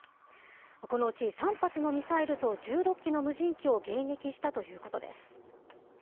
このうち３発のミサイルと１６機の無人機を迎撃したということです。